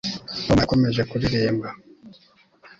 tom yakomeje kuririmba